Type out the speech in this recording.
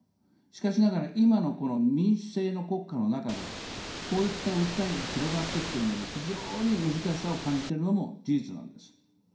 しかしながら今のこの民主制の国家の中で、こういった訴えが広がっていくというのに非常に難しさを感じてるのも事実なんです。